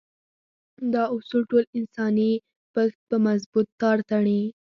دا اصول ټول انساني پښت په مضبوط تار تړي.